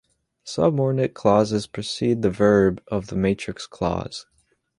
Subordinate clauses precede the verb of the matrix clause.